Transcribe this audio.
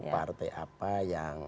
partai apa yang